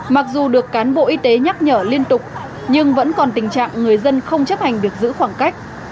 mặc dù được cán bộ y tế nhắc nhở liên tục nhưng vẫn còn tình trạng người dân không chấp hành việc giữ khoảng cách